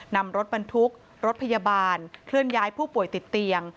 นำรถบรรทุกรถพยาบาลเคลื่อนย้ายผู้ป่วยติดเตียง